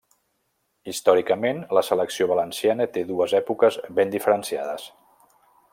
Històricament, la selecció valenciana té dues èpoques ben diferenciades.